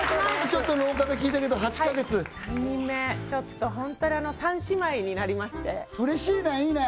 ちょっと廊下で聞いたけど８カ月３人目ちょっとホントに３姉妹になりまして嬉しいねいいね